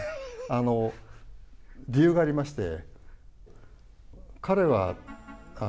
あの、理由がありまして。